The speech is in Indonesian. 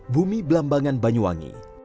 bumi belambangan banyuwangi